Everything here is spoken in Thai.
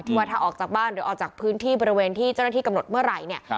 ว่าถ้าออกจากบ้านหรือออกจากพื้นที่บริเวณที่เจ้าหน้าที่กำหนดเมื่อไหร่เนี่ย